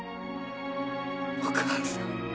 お母さん。